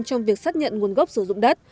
trong việc xác nhận nguồn gốc sử dụng đất